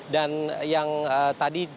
dan yang tadi